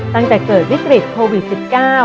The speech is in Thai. ตั้งแต่เกิดวิกฤตโควิด๑๙